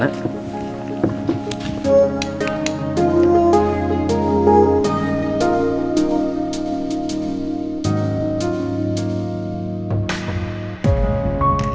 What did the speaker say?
tidak ada apa apa